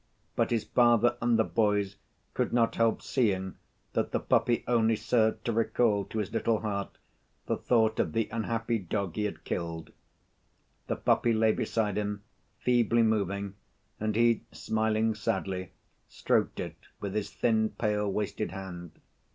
But his father and the boys could not help seeing that the puppy only served to recall to his little heart the thought of the unhappy dog he had killed. The puppy lay beside him feebly moving and he, smiling sadly, stroked it with his thin, pale, wasted hand.